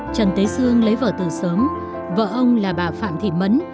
trần tế sương lấy vợ từ sớm vợ ông là bà phạm thị mẫn